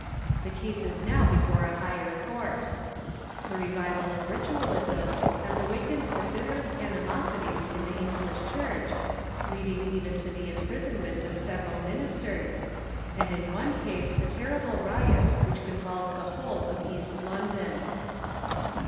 The case is now before a higher court. The revival of ritualism has awakened the bitterest animosities in the English Church, leading even to the imprisonment of several ministers, and in one case to terrible riots which convulsed the whole of East London.